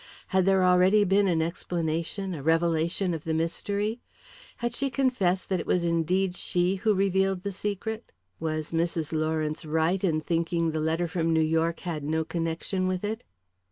Had there already been an explanation, a revelation of the mystery? Had she confessed that it was indeed she who revealed the secret? Was Mrs. Lawrence right in thinking the letter from New York had no connection with it?